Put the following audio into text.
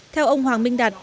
theo ông hoàng minh đạt